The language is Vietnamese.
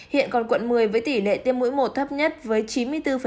hiện còn quận một mươi với tỷ lệ tiêm mũi một thấp nhất với chín mươi bốn